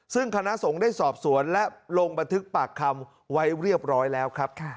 ซึ่งคณะสงฆ์ได้สอบสวนและลงบันทึกปากคำไว้เรียบร้อยแล้วครับ